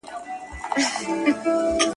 وروسته پاته والی زموږ لویه ستونزه ده.